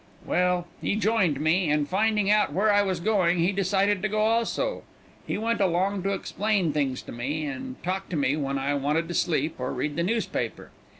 "Well, he joined me, and finding out where I was going, he decided to go also. He went along to explain things to me, and talk to me when I wanted to sleep or read the newspaper.